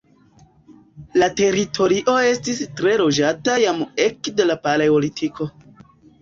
La teritorio estis tre loĝata jam ekde la Paleolitiko.